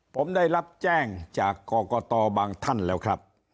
ผมได้รับแจ้งจากกรกตบางท่านแล้วครับ